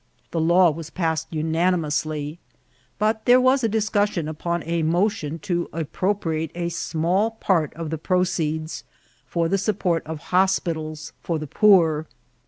The law was passed unanimously ; but there was a discussion upon a motion to appropriate a small pert of the proceeds for the support of ho^itals for the poor.